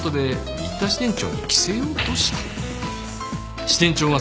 新田支店長！